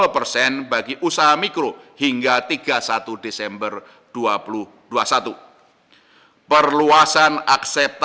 pertamanya aadhanuona assalam mubarak